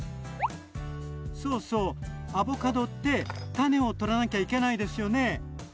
そうそうアボカドって種を取らなきゃいけないですよね。